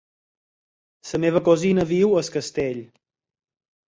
La meva cosina viu a Es Castell.